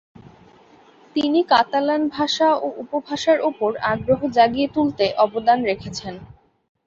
তিনি কাতালান ভাষা ও উপভাষার উপর আগ্রহ জাগিয়ে তুলতে অবদান রেখেছেন।